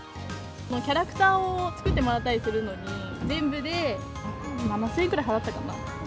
キャラクターを作ってもらったりするのに、全部で７０００円くらい払ったかな。